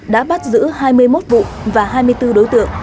đã bắt giữ hai mươi một vụ và hai mươi bốn đối tượng